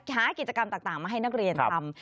หากิจกรรมต่างมาให้นักเรียนทำ